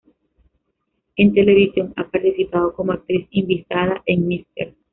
En televisión, ha participado como actriz invitada en "Mr.